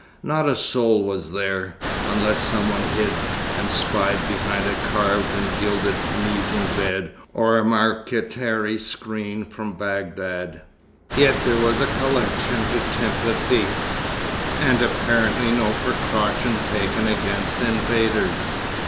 Not a soul was there, unless some one hid and spied behind a carved and gilded Tunisian bed or a marqueterie screen from Bagdad. Yet there was a collection to tempt a thief, and apparently no precaution taken against invaders.